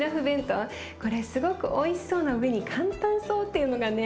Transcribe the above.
これすごくおいしそうなうえに簡単そうっていうのがね。